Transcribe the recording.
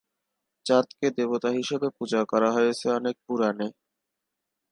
চাঁদকে দেবতা হিসেবে পূজা করা হয়েছে অনেক পুরাণে।